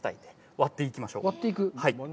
割っていく？